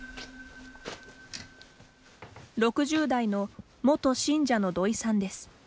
６０代の元信者の土井さんです。